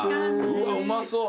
うわうまそう！